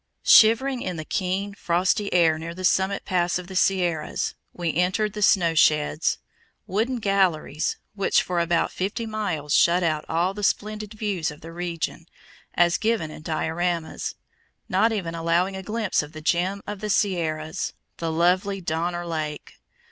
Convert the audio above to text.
Shivering in the keen, frosty air near the summit pass of the Sierras, we entered the "snow sheds," wooden galleries, which for about fifty miles shut out all the splendid views of the region, as given in dioramas, not even allowing a glimpse of "the Gem of the Sierras," the lovely Donner Lake.